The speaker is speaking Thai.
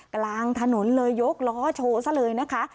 กลางถนนเลยยกล้อโชว์ซะเลยนะคะ